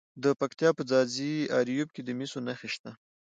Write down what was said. د پکتیا په ځاځي اریوب کې د مسو نښې شته.